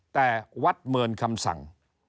แต่วัดเมินคำสั่ง